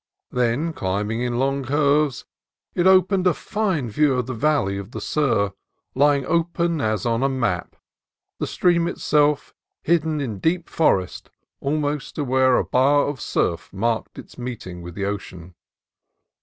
Then, climb ing in long curves, it opened a fine view of the valley of the Sur, lying open, as on a map, the stream itself hidden in deep forest almost to where a bar of surf marked its meeting with the ocean.